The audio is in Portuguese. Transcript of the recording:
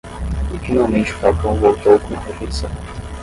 E finalmente o falcão voltou com a refeição.